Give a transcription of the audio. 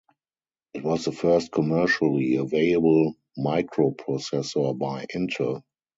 It was the first commercially available microprocessor by Intel.